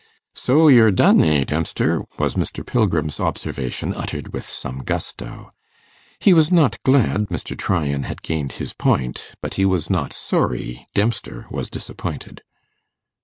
'So you're done, eh, Dempster?' was Mr. Pilgrim's observation, uttered with some gusto. He was not glad Mr. Tryan had gained his point, but he was not sorry Dempster was disappointed.